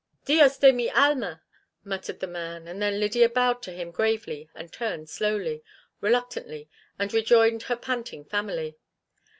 "Dios de mi alma!" muttered the man, and then Lydia bowed to him gravely and turned slowly, reluctantly, and rejoined her panting family.